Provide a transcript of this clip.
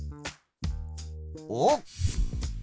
おっ！